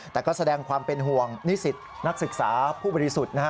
แต่ก็แสดงความเป็นห่วงนิสิตนักศึกษาผู้บริสุทธิ์นะฮะ